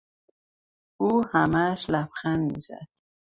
او همهاش لبخند میزد.